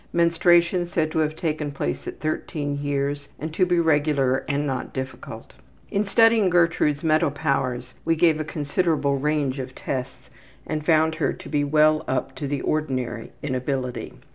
Menstruation said to have taken place at 13 years and to be regular and not difficult. In studying Gertrude's mental powers we gave a considerable range of tests and found her to be well up to the ordinary in ability.